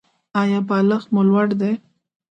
ایا بالښت مو لوړ دی؟